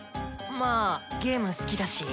まぁゲーム好きだし。